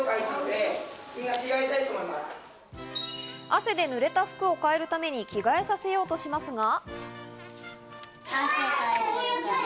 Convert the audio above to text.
汗で濡れた服を替えるために着替えさせようとしますが。